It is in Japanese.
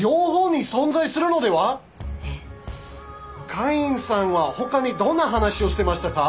カインさんはほかにどんな話をしてましたか？